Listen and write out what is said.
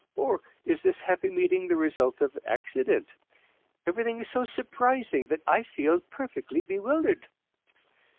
or is this happy meeting the result of accident? Everything is so surprising that I feel perfectly bewildered."